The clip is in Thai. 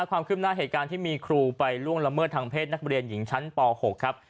ความคืบหน้าเหตุการณ์ที่มีครูไปล่วงละเมิดทางเพศนักเรียนหญิงชั้นป๖ครับ